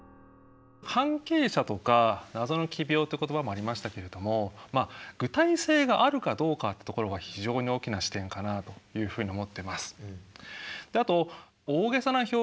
「関係者」とか「謎の奇病」って言葉もありましたけれどもまあ具体性があるかどうかってところが非常に大きな視点かなというふうに思ってます。